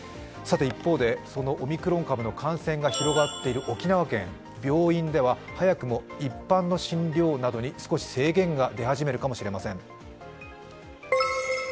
一方で、オミクロン株の感染が広がっている沖縄県、病院では早くも一般の診療などに制限が出始めるかもしれません。